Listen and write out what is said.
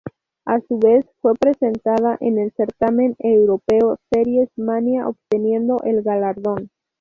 A su vez, fue presentada en el certamen europeo Series Manía, obteniendo el galardón.